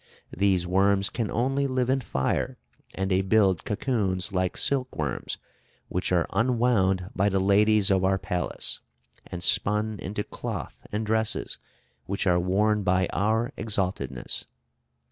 These worms can only live in fire, and they build cocoons like silk worms, which are unwound by the ladies of our palace, and spun into cloth and dresses, which are worn by our Exaltedness.